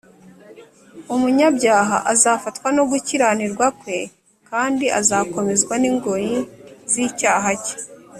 umunyabyaha azafatwa no gukiranirwa kwe, kandi azakomezwa n’ingoyi z’icyaha cye